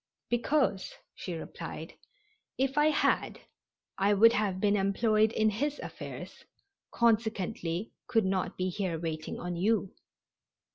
"Because," she replied, "if I had I would have been employed in his affairs, consequently could not be here waiting on you."